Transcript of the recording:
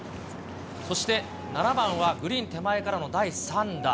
そして７番はグリーン手前からの第３打。